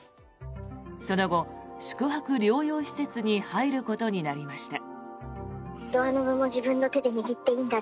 その後、宿泊療養施設に入ることになりました。